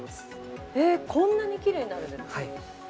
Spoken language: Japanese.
こんなにきれいになるんですね。